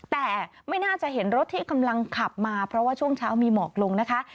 แต่ไม่น่าจะเห็นรถที่กำลังขับมาเพราะว่าช่วงเช้ามีหมอกลงนะคะ